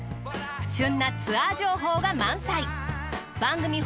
旬なツアー情報が満載。